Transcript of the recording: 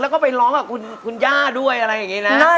แล้วก็ไปร้องกับคุณย่าด้วยอะไรอย่างนี้นะ